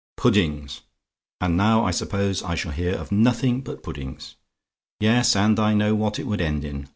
"Puddings! And now I suppose I shall hear of nothing but puddings! Yes, and I know what it would end in.